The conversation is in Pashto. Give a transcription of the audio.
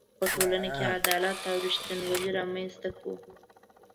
په ټولنه کې عدالت او ریښتینولي رامنځ ته کړو.